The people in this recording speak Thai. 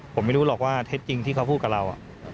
ผมไม่รู้หรอกว่าเท็จจริงที่เขาพูดกับเรา